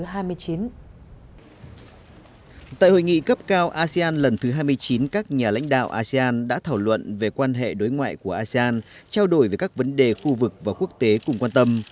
tại hội nghị cấp cao asean lần thứ hai mươi chín các nhà lãnh đạo asean đã thảo luận về quan hệ đối ngoại của asean trao đổi về các vấn đề khu vực và quốc tế cùng quan tâm